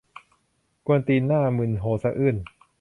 กวนตีน หน้ามึน โฮสะอื้น